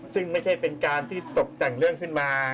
ซึ่งไม่ใช่เป็นการที่ตกแต่งเรื่องขึ้นมา